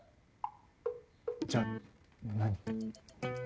じゃあ何？